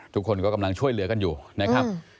ทุกคนก็กำลังช่วยเหลือกันอยู่นะครับ